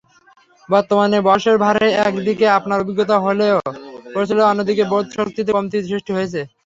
বর্তমানে বয়সের ভারে একদিকে আপনার অভিজ্ঞতা প্রচুর হলেও অন্যদিকে বোধশক্তিতে কমতি সৃষ্টি হয়েছে।